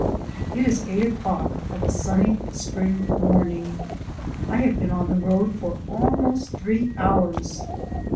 It is eight o'clock of a sunny spring morning. I have been on the road for almost three hours.